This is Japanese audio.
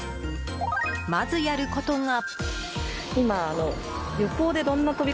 まず、やることが。